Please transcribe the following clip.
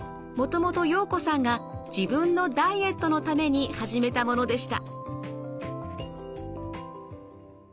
もともと洋子さんが自分のダイエットのために始めたものでした。